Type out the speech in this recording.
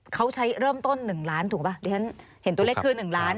เขาใช้เริ่มต้น๑ล้านถูกป่ะที่ฉันเห็นตัวเลขคือ๑ล้าน